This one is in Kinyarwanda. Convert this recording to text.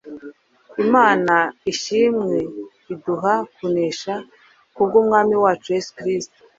imana ishimwe iduha kunesha kubw’umwami wacu yesu kristo”.